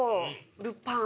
『ルパン』